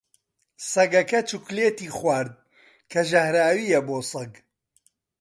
سەگەکە چوکلێتی خوارد، کە ژەهراوییە بۆ سەگ.